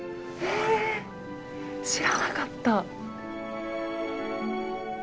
え知らなかった。